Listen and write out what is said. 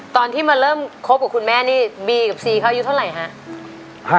ตอนที่มาเริ่มคบกับคุณแม่นี่บีกับซีเขาอายุเท่าไหร่ฮะ